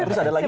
terus ada lagi